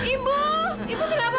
ibu ibu kenapa bu